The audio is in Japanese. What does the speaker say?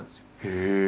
へえ！